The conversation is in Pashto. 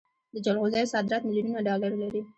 د جلغوزیو صادرات میلیونونه ډالر دي.